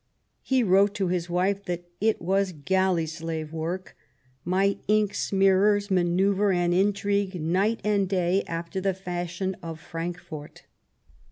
He wrote to his wife, that it was " galley slave work. My ink smearers manoeuvre and intrigue night and day after the fashion of Frankfort.